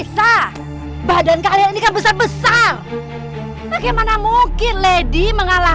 kamu jangan kece sama om roy lagi